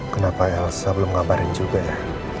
kenapa elsa belum kabarin juga ya